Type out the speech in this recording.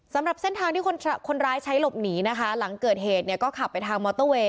สำหรับเส้นทางที่คนร้ายใช้หลบหนีนะคะหลังเกิดเหตุเนี่ยก็ขับไปทางมอเตอร์เวย